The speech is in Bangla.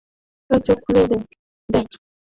তোর চোখ খুলে দেখ!